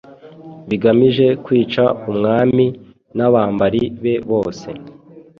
bigamije kwica umwami n’abambari be bose.